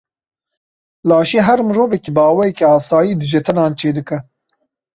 Laşê her mirovekî bi awayekî asayî dijetenan çê dike.